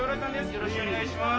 よろしくお願いします。